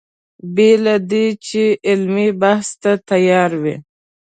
بې له دې چې علمي بحث ته تیار وي.